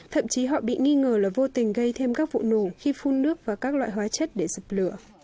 thậm chí họ bị nghi ngờ là vô tình gây thêm các vụ nổ khi phun nước và các loại hóa chất để dập lửa